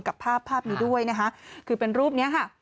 กับภาพภาพนี้ด้วยนะคะคือเป็นรูปนี้ค่ะ